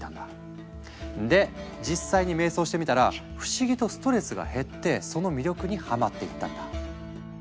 で実際に瞑想してみたら不思議とストレスが減ってその魅力にハマっていったんだ。